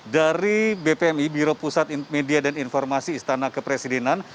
dari bpmi biro pusat media dan informasi istana kepresidenan